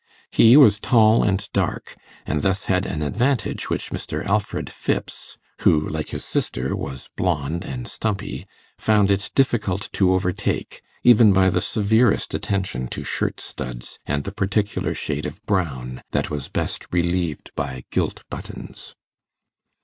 He was tall and dark, and thus had an advantage which Mr. Alfred Phipps, who, like his sister, was blond and stumpy, found it difficult to overtake, even by the severest attention to shirt studs, and the particular shade of brown that was best relieved by gilt buttons.